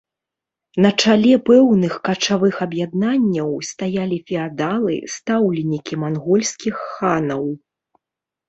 На чале пэўных качавых аб'яднанняў стаялі феадалы, стаўленікі мангольскіх ханаў.